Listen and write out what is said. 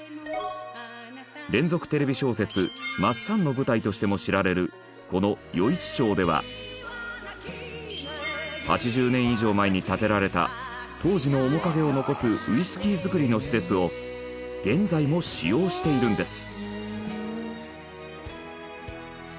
連続テレビ小説『マッサン』の舞台としても知られるこの余市町では８０年以上前に建てられた当時の面影を残すウイスキー造りの施設を現在も使用しているんです。